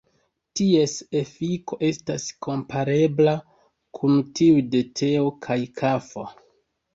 Ties efiko estas komparebla kun tiuj de teo kaj kafo.